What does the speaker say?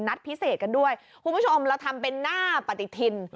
พิเศษกันด้วยคุณผู้ชมเราทำเป็นหน้าปฏิทิน